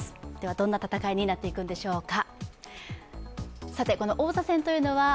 どんな戦いになっていくのでしょうか。